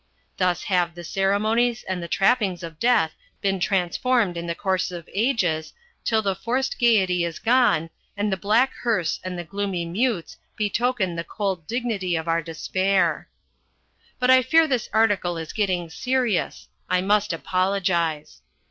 Thus have the ceremonies and the trappings of death been transformed in the course of ages till the forced gaiety is gone, and the black hearse and the gloomy mutes betoken the cold dignity of our despair. But I fear this article is getting serious. I must apologise.